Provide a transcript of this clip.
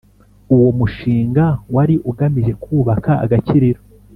Uwo mushinga wari ugamije kubaka agakiriro